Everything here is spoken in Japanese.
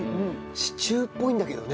シチューっぽいんだけどね。